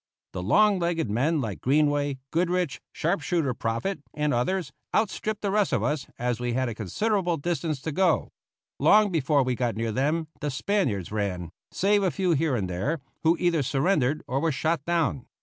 The long legged men like Greenway, Goodrich, sharp shooter Proffit, and others, outstripped the rest of us, as we had a considerable distance to go. Long before we got near them the Spaniards ran, save a few here and there, who either surrendered or were shot down.